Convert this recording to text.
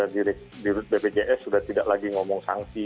di rute bpjs sudah tidak lagi ngomong sanksi